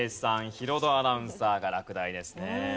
ヒロドアナウンサーが落第ですね。